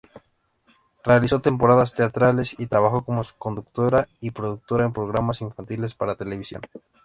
Realizó temporadas teatrales y trabajó como conductora y productora en programas infantiles para televisión.